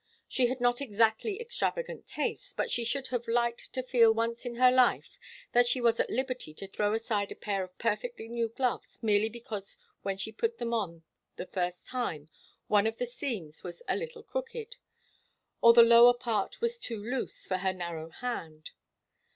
She had not exactly extravagant tastes, but she should have liked to feel once in her life that she was at liberty to throw aside a pair of perfectly new gloves, merely because when she put them on the first time one of the seams was a little crooked, or the lower part was too loose for her narrow hand.